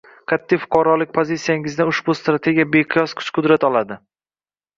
qat’iy fuqarolik pozitsiyangizdan ushbu Strategiya beqiyos kuch-qudrat oladi.